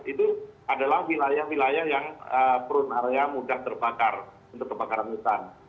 itu adalah wilayah wilayah yang prune area mudah terbakar untuk kebakaran hutan